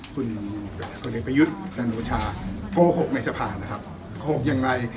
คุณผู้เล็กประยุทธ์จังหลวงชาโกหกในสถานนะครับโกหกอย่างไร